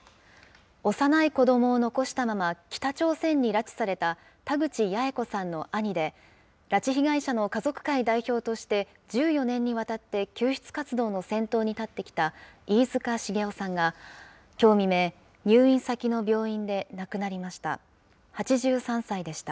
幼い子どもを残したまま、北朝鮮に拉致された、田口八重子さんの兄で、拉致被害者の家族会代表として１４年にわたって救出活動の先頭に立ってきた飯塚繁雄さんが、きょう未明、入院先の病院で亡くなりました。